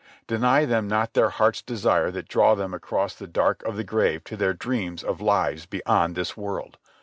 Deny them not their hearts' desires that draw them across the dark of the grave to their dreams of lives beyond this world.